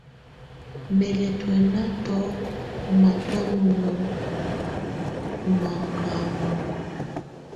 Mɛ̀ lɛ̀ tuǝ́nǝ́tù ù matɔ̀á numǝ́ ù mangamɔ̀.